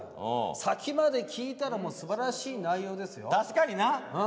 先まで聴いたらすばらしい内容ですよ。